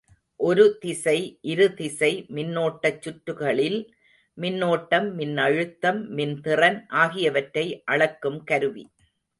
ஒரு திசை, இரு திசை மின்னோட்டச் சுற்றுகளில் மின்னோட்டம் மின்னழுத்தம், மின்திறன் ஆகியவற்றை அளக்கும் கருவி.